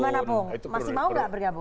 gimana pung masih mau nggak bergabung